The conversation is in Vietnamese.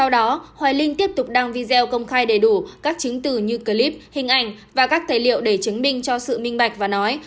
đều công khai đầy đủ các chứng từ như clip hình ảnh và các tài liệu để chứng minh cho sự minh bạch và nói